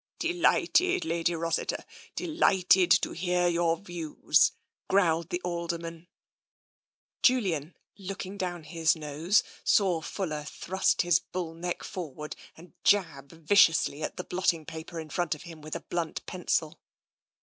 " Delighted, Lady Rossiter, delighted to hear your views," growled the Alderman. Julian, looking down his nose, saw Fuller thrust his bull neck forward and jab viciously at the blotting paper in front of him with a blunt pencil.